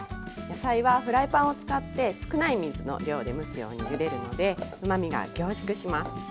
野菜はフライパンを使って少ない水の量で蒸すようにゆでるのでうまみが凝縮します。